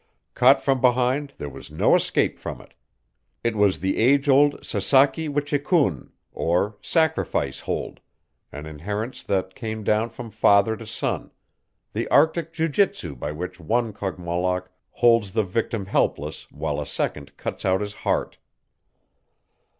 Caught from behind there was no escape from it. It was the age old sasaki wechikun, or sacrifice hold, an inheritance that came down from father to son the Arctic jiu jitsu by which one Kogmollock holds the victim helpless while a second cuts out his heart.